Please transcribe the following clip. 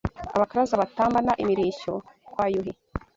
Abakaraza batambana imirishyo kwa Yuhi